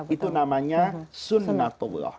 itu namanya sunnatullah